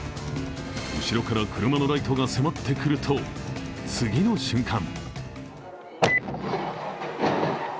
後ろから車のライトが迫ってくると次の瞬間。